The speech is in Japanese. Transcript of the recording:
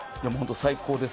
最高です。